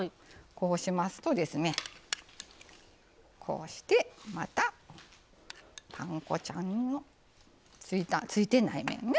こうしますとですねこうしてまたパン粉ちゃんのついてない面ね